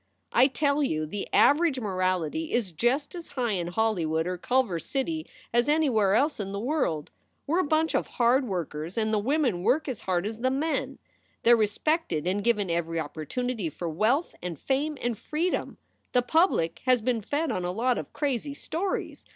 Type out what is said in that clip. "I tell you the average morality is just as high in Holly wood or Culver City as anywhere else in the world. We re a bunch of hard workers and the women work as hard as the men. They re respected and given every opportunity for wealth and fame and freedom. The public has been fed on a lot of crazy stories.